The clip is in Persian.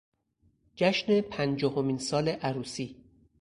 جشن پنجاهمین سال عروسی